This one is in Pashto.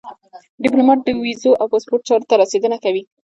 ډيپلومات د ویزو او پاسپورټ چارو ته رسېدنه کوي.